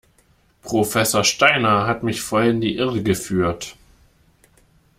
Professor Steiner hat mich voll in die Irre geführt.